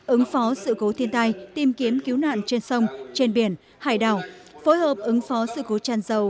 ứng phó sự cố thiên tai tìm kiếm cứu nạn trên sông trên biển hải đảo phối hợp ứng phó sự cố tràn dầu